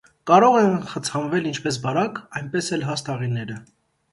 Կարող են խցանվել ինչպես բարակ, այնպես էլ հաստ աղիները։